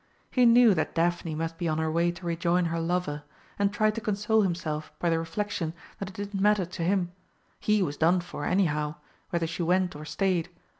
He knew that Daphne must be on her way to rejoin her lover, and tried to console himself by the reflection that it didn't matter to him. He was done for, anyhow, whether she went or stayed.